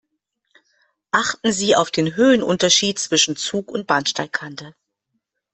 Achten Sie auf den Höhenunterschied zwischen Zug und Bahnsteigkante.